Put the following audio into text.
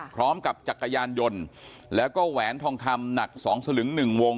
จักรยานยนต์แล้วก็แหวนทองคำหนัก๒สลึง๑วง